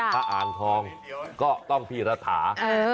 ถ้าอ่างทองก็ต้องพี่รัฐา